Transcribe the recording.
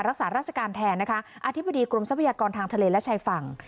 รักษาราชการแทนนะคะอธิบดีกรมทรัพยากรทางทะเลและชายฝั่ง